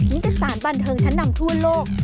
ิตสารบันเทิงชั้นนำทั่วโลก